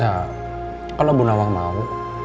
ya kalau bu nawang mau